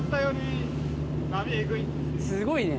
すごいね。